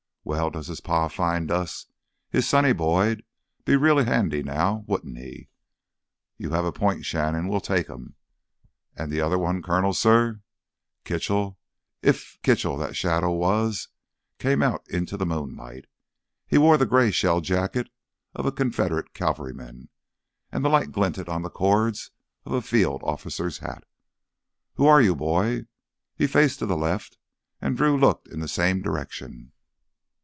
Well, does his pa find us, his sonny boy'd be real handy, now wouldn't he?" "You have a point, Shannon. We'll take him." "An' th' other one, Colonel, suh?" Kitchell—if Kitchell that shadow was—came out into the moonlight. He wore the gray shell jacket of a Confederate cavalryman, and the light glinted on the cords of a field officer's hat. "Who are you, boy?" He faced to the left and Drew looked in the same direction.